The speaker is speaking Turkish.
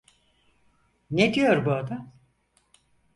Ne diyor bu adam?